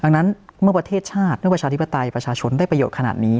ดังนั้นเมื่อประเทศชาติเมื่อประชาธิปไตยประชาชนได้ประโยชน์ขนาดนี้